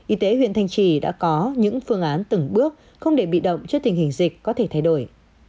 y tế huyện thanh trì đã có những phương án từng bước không để bị động trước tình hình dịch có thể thay đổi